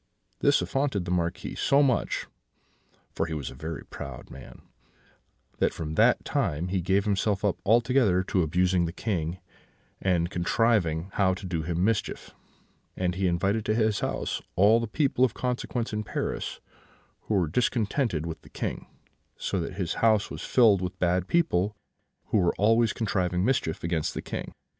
This affronted the Marquis so much (for he was a very proud man) that from that time he gave himself up altogether to abusing the King, and contriving how to do him mischief; and he invited to his house all the people of consequence in Paris who were discontented with the King: so that his house was filled with bad people, who were always contriving mischief against the King.